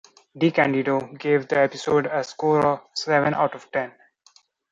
DeCandido gave the episode a score of seven out of ten.